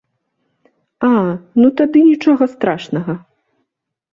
А, ну тады нічога страшнага.